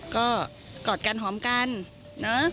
ก็กอดกันหอมกันเนอะ